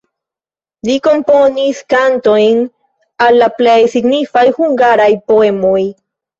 Li komponis kantojn al la plej signifaj hungaraj poemoj.